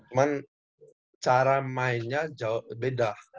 cuman cara mainnya beda